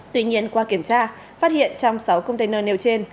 tuy nhiên qua kiểm tra phát hiện trong sáu container nêu trên